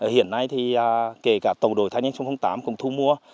hiện nay thì kể cả tàu đổi thái nhanh số tám cũng thu mua